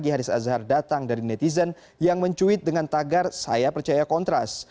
haris azhar datang dari netizen yang mencuit dengan tagar saya percaya kontras